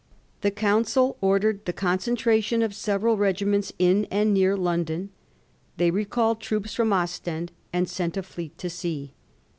The Council ordered the concentration of several regiments in and near London. They recalled troops from Ostend, and sent a fleet to sea.